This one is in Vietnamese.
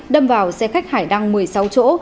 đâm vào xe khách hải đăng một mươi sáu chỗ